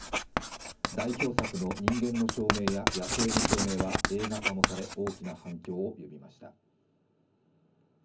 代表作の「人間の証明」や「野性の証明」は映画化もされ、大きな反響を呼びました。